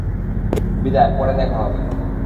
বিদায়, পরে দেখা হবে!